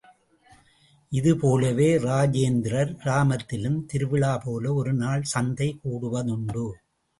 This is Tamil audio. இதுபோலவே, ராஜேந்திரர் கிராமத்திலும் திருவிழா போல ஒரு நாள் சந்தை கூடுவதுண்டு.